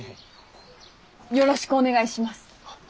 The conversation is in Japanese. よろしくお願いします。